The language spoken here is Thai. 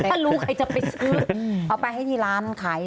เอาไปให้ที่ร้านขาย